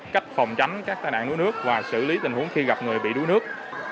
cách phòng tránh các tai nạn đuối nước và xử lý tình huống khi gặp người bị đuối nước